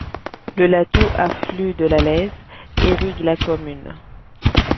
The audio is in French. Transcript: Le Latou, affluent de la Lèze, irrigue la commune.